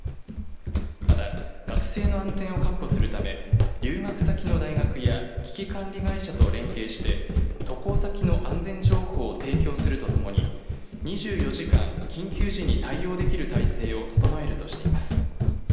また、学生の安全を確保するため留学先の大学や危機管理会社と連携して渡航先の安全情報を提供するとともに２４時間緊急時に対応できる態勢を整えるとしています。